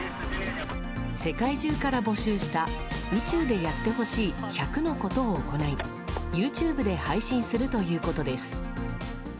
世界中から募集した宇宙でやってほしい１００のことを行いＹｏｕＴｕｂｅで配信するということです。